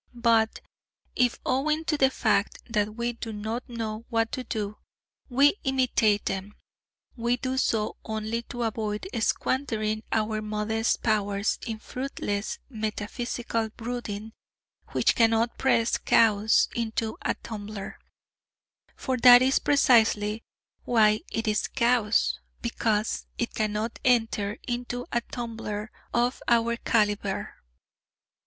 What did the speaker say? But if, owing to the fact that we do not know what to do, we imitate them, we do so only to avoid squandering our modest powers in fruitless metaphysical brooding which cannot press chaos into a tumbler; for that is precisely why it is chaos, because it cannot enter into a tumbler of our calibre.